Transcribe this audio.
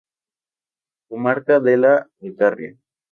Comarca de la Alcarria.